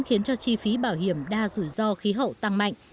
khiến cho chi phí bảo hiểm đa rủi ro khí hậu tăng mạnh